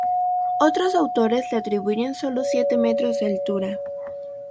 Otros autores le atribuyen solo siete metros de altura.